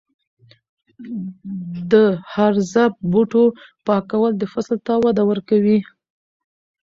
د هرزه بوټو پاکول فصل ته وده ورکوي.